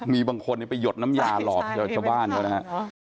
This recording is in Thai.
มีบางคนไปหยดน้ำยาหล่อที่บ้านก็นะครับ